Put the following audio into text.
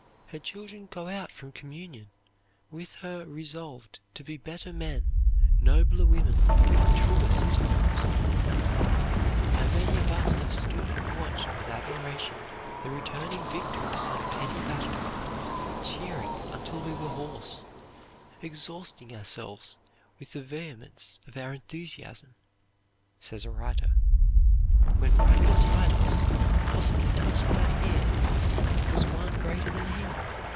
Her children go out from communion with her resolved to be better men, nobler women, truer citizens. "How many of us have stood and watched with admiration the returning victor of some petty battle, cheering until we were hoarse, exhausting ourselves with the vehemence of our enthusiasm," says a writer, "when right beside us, possibly touching our hand, was one greater than he?